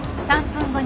３分後？